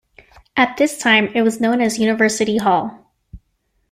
At this time it was known as University Hall.